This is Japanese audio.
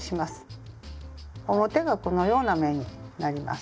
表がこのような目になります。